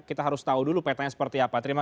kita harus tahu dulu petanya seperti apa